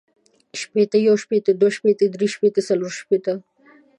شپیته، یو شپیته، دوه شپیته، درې شپیته، څلور شپیته